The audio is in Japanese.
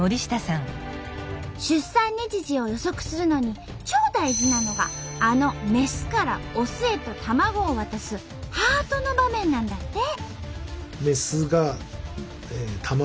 出産日時を予測するのに超大事なのがあのメスからオスへと卵を渡すハートの場面なんだって。